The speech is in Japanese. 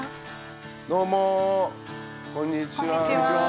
どうもこんにちは。